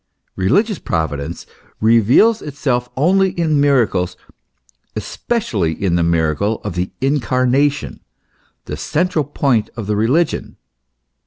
Keligious Providence reveals itself only in miracles especially in the miracle of the Incarnation, the central point of religion.